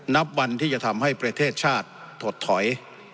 นับวันที่จะทำให้ประเทศชาติถดถอย